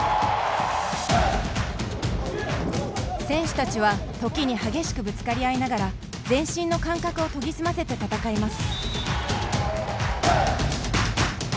選手たちは、時に激しくぶつかり合いながら全身の感覚を研ぎ澄ませて戦います。